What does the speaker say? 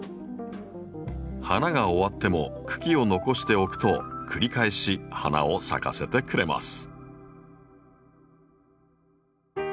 花が終わっても茎を残しておくと繰り返し花を咲かせてくれます。